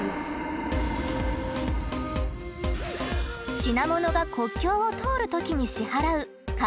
品物が国境を通るときに支払う「関税」。